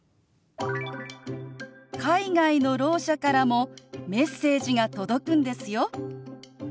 「海外のろう者からもメッセージが届くんですよ」。